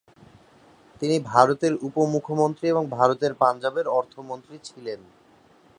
তিনি ভারতের উপ-মুখ্যমন্ত্রী এবং ভারতের পাঞ্জাবের অর্থমন্ত্রী ছিলেন।